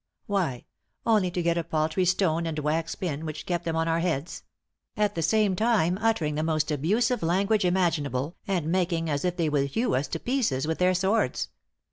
Why, only to get a paltry stone and wax pin, which kept them on our heads; at the same time uttering the most abusive language imaginable, and making as if they would hew us to pieces with their swords.